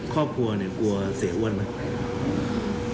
ครอบครัวเนี่ยกลัวเสียอ้วนไหม